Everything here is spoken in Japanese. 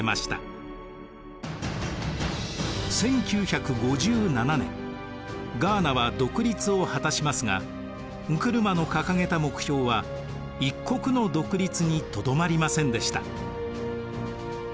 １９５７年ガーナは独立を果たしますがンクルマの掲げた目標は一国の独立にとどまりませんでした。